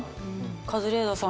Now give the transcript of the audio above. カズレーザーさん